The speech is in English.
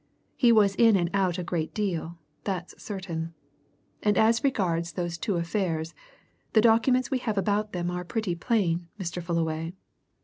He was in and out a great deal, that's certain. And as regards those two affairs, the documents we have about them are pretty plain, Mr. Fullaway.